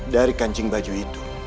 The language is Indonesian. dari kancing baju itu